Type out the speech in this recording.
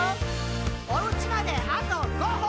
「おうちまであと５歩！」